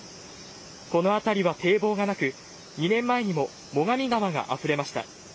この辺りは堤防もなく２年前にも最上川があふれました。